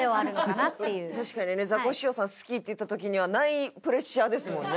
確かにねザコシショウさん好きって言った時にはないプレッシャーですもんね。